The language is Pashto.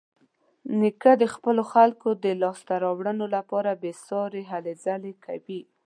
نیکه د خپلو خلکو د لاسته راوړنو لپاره بېسارې هلې ځلې کوي.